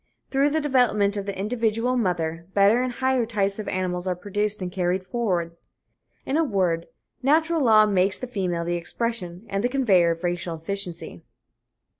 Through the development of the individual mother, better and higher types of animals are produced and carried forward. In a word, natural law makes the female the expression and the conveyor of racial efficiency.